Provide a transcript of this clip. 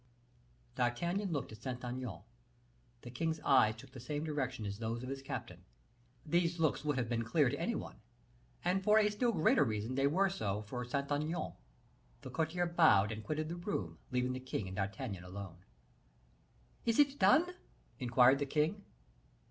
D'Artagnan looked at Saint Aignan; the king's eyes took the same direction as those of his captain; these looks would have been clear to any one, and for a still greater reason they were so for Saint Aignan. The courtier bowed and quitted the room, leaving the king and D'Artagnan alone. "Is it done?" inquired the king.